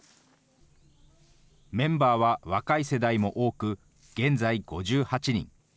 メンバーは若い世代も多く、現在５８人。